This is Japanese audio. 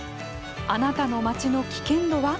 あなたの街の危険度は。